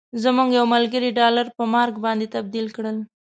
زموږ یو ملګري ډالر په مارک باندې تبدیل کړل.